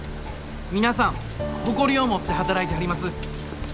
皆さん誇りを持って働いてはります。